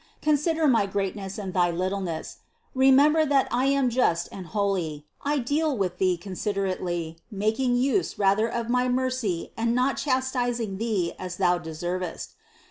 Consider my greatness and thy littleness; remember that I am just and holy; I deal with thee considerately, making use rather of my mercy and not chastising thee as thou deservest.